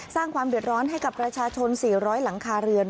สร้างความเดือดร้อนให้กับประชาชน๔๐๐หลังคาเรือน